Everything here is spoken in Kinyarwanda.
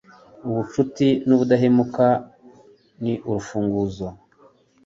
ubucuti n'ubudahemuka ni urufunguzo